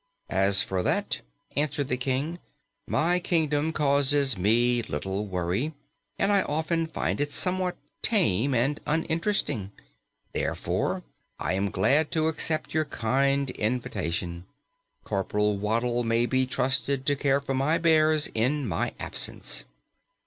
"As for that," answered the King, "my kingdom causes me little worry, and I often find it somewhat tame and uninteresting. Therefore I am glad to accept your kind invitation. Corporal Waddle may be trusted to care for my bears in my absence."